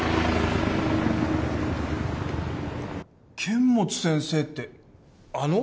剣持先生ってあの？